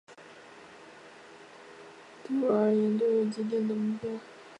对我而言都有既定的目标